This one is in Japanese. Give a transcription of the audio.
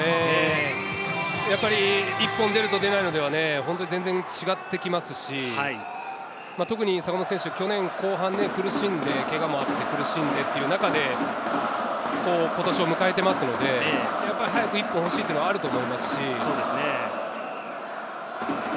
やっぱり１本出ると出ないのでは全然違ってきますし、特に坂本選手、去年後半は苦しんでという中で今年を迎えていますので、早く１本欲しいというのはあると思いますし。